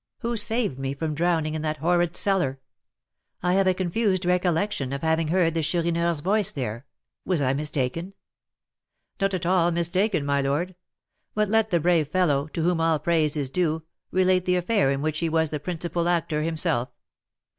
"Who saved me from drowning in that horrid cellar? I have a confused recollection of having heard the Chourineur's voice there; was I mistaken?" "Not at all mistaken, my lord. But let the brave fellow, to whom all praise is due, relate the affair in which he was the principal actor himself."